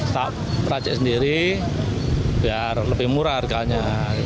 tak rajik sendiri biar lebih murah harganya